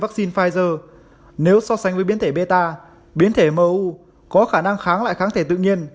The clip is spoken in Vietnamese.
vắc xin pfizer nếu so sánh với biến thể beta biến thể mou có khả năng kháng lại kháng thể tự nhiên